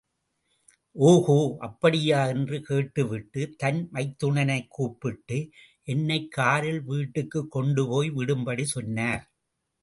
ஓகோ அப்படியா? என்று கேட்டுவிட்டுத் தன் மைத்துனனைக் கூப்பிட்டு என்னைக் காரில் வீட்டுக்குக் கொண்டுபோய் விடும்படி சொன்னார்.